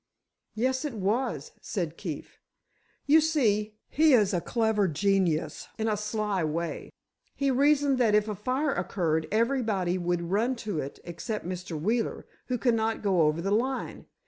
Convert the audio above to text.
"Yes, it was," said Keefe. "You see, he is a clever genius, in a sly way. He reasoned that if a fire occurred, everybody would run to it except Mr. Wheeler, who cannot go over the line.